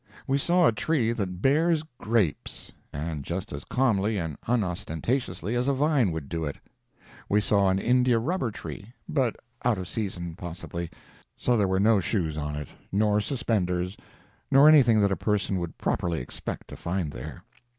We saw a tree that bears grapes, and just as calmly and unostentatiously as a vine would do it. We saw an India rubber tree, but out of season, possibly, so there were no shoes on it, nor suspenders, nor anything that a person would properly expect to find there.